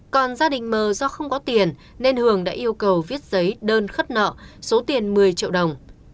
còn gia đình mờ do không có tiền nên hường đã yêu cầu viết giấy đơn khất nợ số tiền một mươi triệu đồng